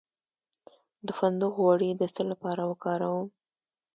د فندق غوړي د څه لپاره وکاروم؟